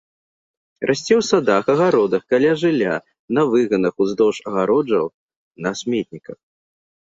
Расце ў садах, агародах, каля жылля, на выганах, уздоўж агароджаў, на сметніках.